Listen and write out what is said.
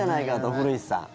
古市さん。